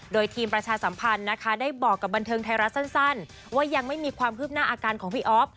โดยทีมประชาสัมพันธ์นะคะได้บอกกับบันเทิงไทยรัฐสั้นว่ายังไม่มีความคืบหน้าอาการของพี่อ๊อฟ